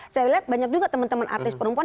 saya lihat banyak juga teman teman artis perempuan